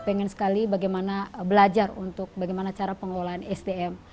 pengen sekali bagaimana belajar untuk bagaimana cara pengelolaan sdm